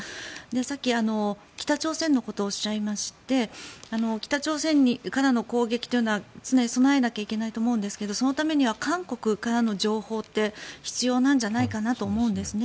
さっき、北朝鮮のことをおっしゃいまして北朝鮮からの攻撃というのは常に備えなきゃいけないと思うんですがそのためには韓国からの情報って必要なんじゃないかと思うんです。